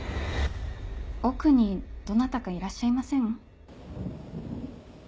奥にどなたかいらっしゃいません？